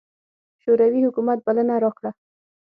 شوروي حکومت بلنه راکړه.